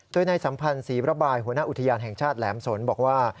โดยในสัมพันธ์ศรีระบายหัวหน้าอุทยานแห่งชาติแหลมสนบอกว่า